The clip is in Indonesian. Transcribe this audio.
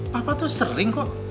papa tuh sering kok